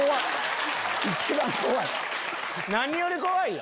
何より怖いよ！